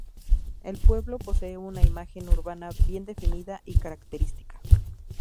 El pueblo posee una imagen urbana bien definida y característica.